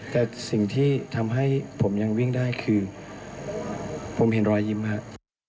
แต่สิ่งที่ทำให้ผมยังวิ่งได้คือผมเห็นรอยยิ้มครับ